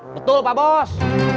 betul pak bos